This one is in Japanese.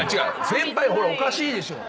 先輩ほらおかしいでしょ。